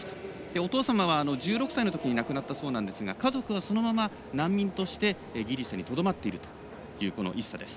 お父様は１６歳のときに亡くなったそうなんですが家族はそのまま難民としてギリシャにとどまっているというイッサです。